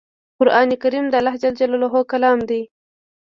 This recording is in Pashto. قرآن کریم د الله ج کلام دی